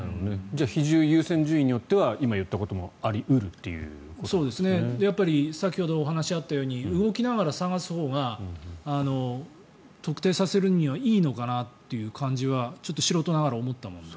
比重、優先順位によっては今、言ったことも先ほどお話があったように動きながら捜すほうが特定させるにはいいのかなとちょっと素人ながら思ったもので。